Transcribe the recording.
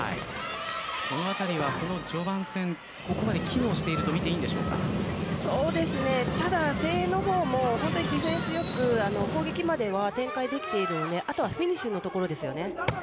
そのあたりはこの序盤戦ここまで機能しているとただ、誠英の方もディフェンス、よく攻撃までは展開できているのであとはフィニッシュのところですよね。